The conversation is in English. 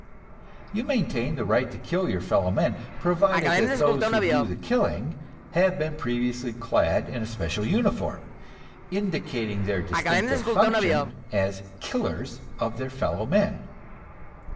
You maintain the right to kill your fellow men, provided that those who do the killing have been previously clad in a special uniform, indicating their distinctive function as killers of their fellow men.